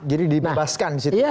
jadi dibebaskan di situ